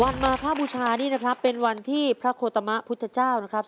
มาพระบูชานี่นะครับเป็นวันที่พระโคตมะพุทธเจ้านะครับ